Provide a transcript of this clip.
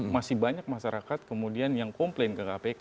masih banyak masyarakat kemudian yang komplain ke kpk